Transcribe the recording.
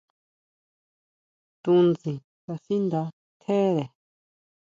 Tunsin kasindá tjere.